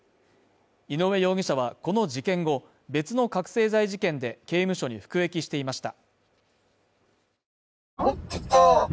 井上容疑者はこの事件後、別の覚醒剤事件で、刑務所に服役していました。